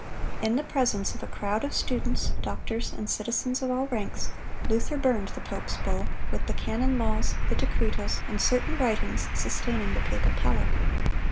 In the presence of a crowd of students, doctors, and citizens of all ranks, Luther burned the pope's bull, with the canon laws, the decretals, and certain writings sustaining the papal power.